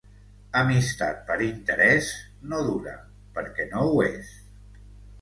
Amistat per interès, no dura, perquè no ho és.